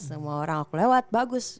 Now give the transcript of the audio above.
semua orang aku lewat bagus